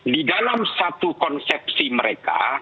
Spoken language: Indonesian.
di dalam satu konsepsi mereka